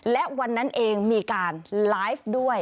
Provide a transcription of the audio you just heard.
และวันนั้นเองมีการไลฟ์ด้วย